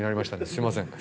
すいません